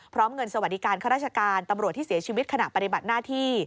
เงินสวัสดิการข้าราชการตำรวจที่เสียชีวิตขณะปฏิบัติหน้าที่